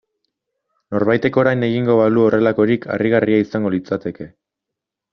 Norbaitek orain egingo balu horrelakorik harrigarria izango litzateke.